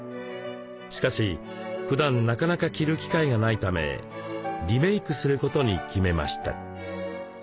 しかしふだんなかなか着る機会がないためリメイクすることに決めました。